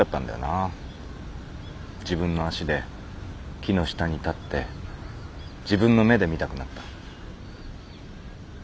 自分の足で木の下に立って自分の目で見たくなった。